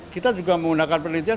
kita juga menggunakan penelitian